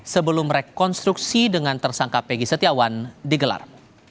sebelum rekonstruksi dengan tersangka pegi setiawan digelar